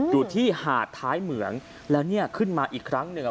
อยู่ที่หาดท้ายเหมืองและขึ้นมาอีกครั้งหนึ่ง